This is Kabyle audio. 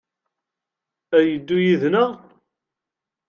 A yeddu yid-neɣ?